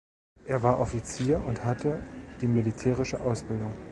Er war Offizier und hatte die militärische Ausbildung.